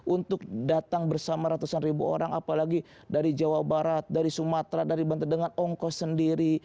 untuk datang bersama ratusan ribu orang apalagi dari jawa barat dari sumatera dari banten dengan ongkos sendiri